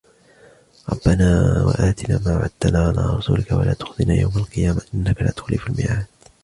ربنا وآتنا ما وعدتنا على رسلك ولا تخزنا يوم القيامة إنك لا تخلف الميعاد